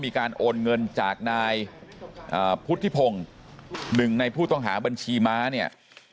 มีการโอนเงินจากนายพุทธิพงศ์หนึ่งในผู้ต้องหาบัญชีม้าเนี่ย